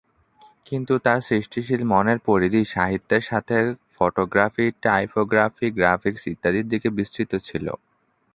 কিন্তু তার সৃষ্টিশীল মনের পরিধি সাহিত্যের সাথে ফোটোগ্রাফি, টাইপোগ্রাফি গ্রাফিক্স ইত্যাদির দিকে বিস্তৃত ছিল।